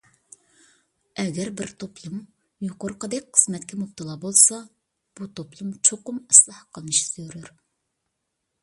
ئەگەر بىر توپلۇم يۇقىرىقىدەك قىسمەتكە مۇپتىلا بولسا، بۇ توپلۇم چوقۇم ئىسلاھ قىلىنىشى زۆرۈر.